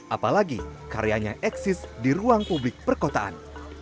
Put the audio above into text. apalagi karyanya eksis di ruang publik perkotaan